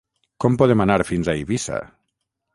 Com podem anar fins a Eivissa?